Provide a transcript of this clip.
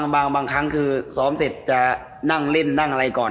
บางครั้งคือซ้อมเสร็จจะนั่งเล่นนั่งอะไรก่อน